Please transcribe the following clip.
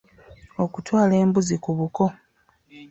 Okutwala embuzi ku buko.